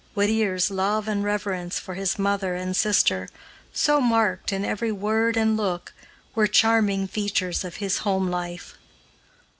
Whittier's love and reverence for his mother and sister, so marked in every word and look, were charming features of his home life.